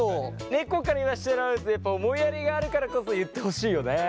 猫から言わせてもらうとやっぱ思いやりがあるからこそ言ってほしいよね。